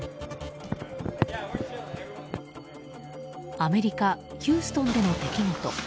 アメリカ・ヒューストンでの出来事。